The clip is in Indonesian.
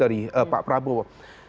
dari pak prabowo